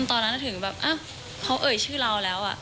ตอนนั้นถึงแบบเขาเอ่ยชื่อเราแล้ว